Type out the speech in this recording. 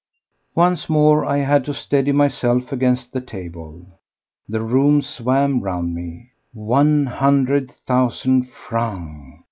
Once more I had to steady myself against the table. The room swam round me. One hundred thousand francs!